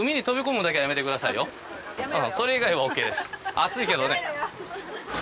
暑いけどね。